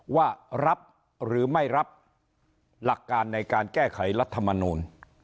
ว่ารับหรือไม่รับหลักการในการแก้ไขรัฐมนูล